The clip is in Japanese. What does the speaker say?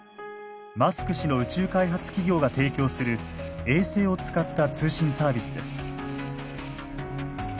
マスク氏の宇宙開発企業が提供する衛星を使った通信サービスです。